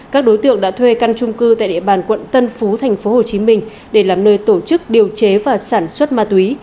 các đối tượng đã thuê căn trung cư tại địa bàn quận tân phú tp hcm để làm nơi tổ chức điều chế và sản xuất ma túy